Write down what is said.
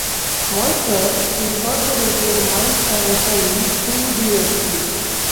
Monsters, Incorporated Mike and Sulley to the Rescue!